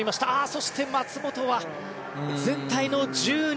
そして、松元は全体の１２位。